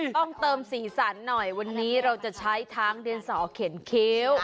ต้องเติมสีสันหน่อยวันนี้เราจะใช้ทั้งดินสอเข็นคิ้ว